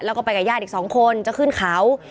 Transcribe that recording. แล้วก็ไปกับญาติอีก๒คนจะขึ้นเขา